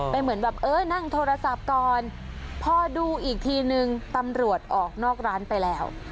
เหมือนแบบเออนั่งโทรศัพท์ก่อนพอดูอีกทีนึงตำรวจออกนอกร้านไปแล้ว